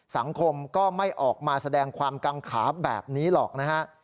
สังคมก็ไม่ออกมาแสดงความกังขาแบบนี้หรอกนะฮะ